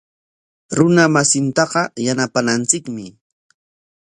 Runa masintaqa yanapananchikmi.